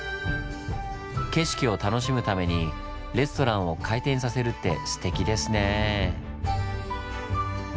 景色を楽しむためにレストランを回転させるってすてきですね。